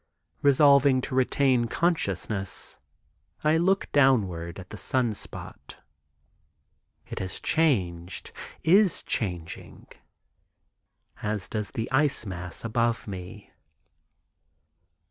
Resolving to retain consciousness, I look downward at the sun spot. It has changed; is changing, as does the ice mass above me.